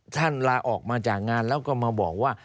ลาออกมาจากงานแล้วก็มาบอกว่า